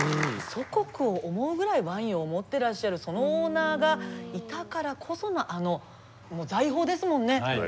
祖国を思うぐらいワインを思ってらっしゃるそのオーナーがいたからこそのあの財宝ですもんね。